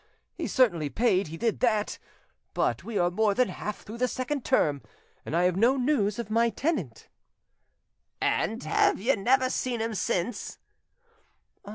He certainly paid, he did that, but we are more than half through the second term and I have no news of my tenant." "And have you never seen him since?"